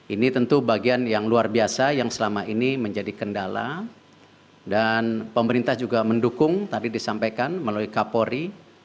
ini tentu bagian yang luar biasa yang selama ini menjadi kendala dan pemerintah juga mendukung tadi disampaikan melalui kapolri